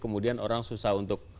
kemudian orang susah untuk